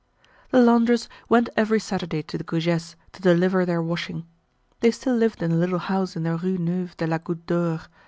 The laundress went every Saturday to the Goujets to deliver their washing. They still lived in the little house in the Rue Neuve de la Goutte d'Or.